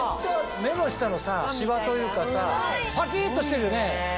目の下のシワというかさパキっとしてるよね。